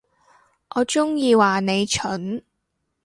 我中意話你蠢